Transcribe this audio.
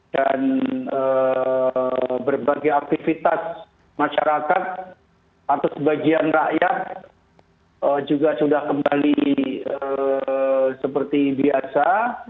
dan berbagai aktivitas masyarakat atau sebagian rakyat juga sudah kembali seperti biasa